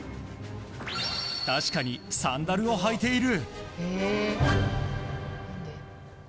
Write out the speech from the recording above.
確かにサンダルを履いている。